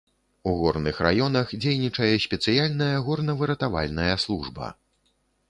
У горных раёнах дзейнічае спецыяльная горнавыратавальная служба.